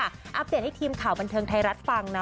อัปเดตให้ทีมข่าวบันเทิงไทยรัฐฟังนะ